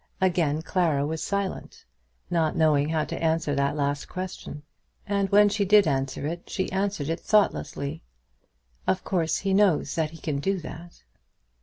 Again Clara was silent, not knowing how to answer that last question. And when she did answer it, she answered it thoughtlessly. "Of course he knows that he can do that."